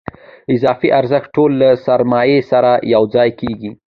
اضافي ارزښت ټول له سرمایې سره یوځای کېږي